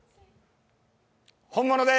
本物です。